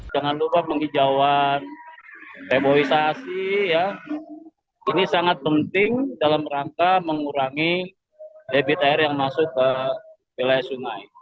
jangan lupa penghijauan hebohisasi ini sangat penting dalam rangka mengurangi debit air yang masuk ke wilayah sungai